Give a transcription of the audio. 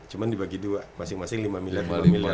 cuma dibagi dua masing masing lima miliar